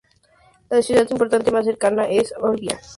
La ciudad importante más cercana es Olbia.